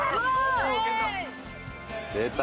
出た。